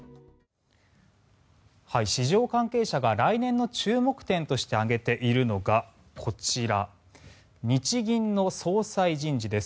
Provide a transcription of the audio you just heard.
市場関係者が来年の注目点として挙げているのがこちら、日銀の総裁人事です。